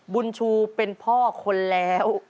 บุญชูเป็นพ่อคนแล้ว